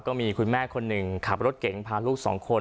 ก็มีคุณแม่คนหนึ่งขับรถเก๋งพาลูกสองคน